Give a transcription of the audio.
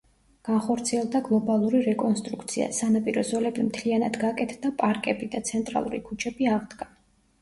განხორციელდა გლობალური რეკონსტრუქცია: სანაპირო ზოლები მთლიანად გაკეთდა, პარკები და ცენტრალური ქუჩები აღდგა.